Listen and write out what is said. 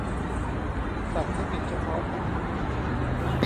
ศัพท์เทคนิคเฉพาะ